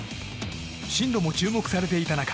進路も注目されていた中